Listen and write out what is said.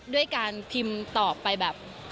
ด้วยการพิมพ์ตอบไปแบบ